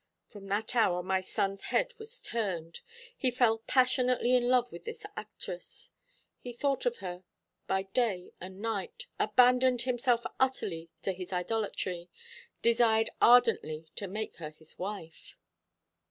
From that hour my son's head was turned. He fell passionately in love with this actress. He thought of her by day and night, abandoned himself utterly to his idolatry, desired ardently to make her his wife."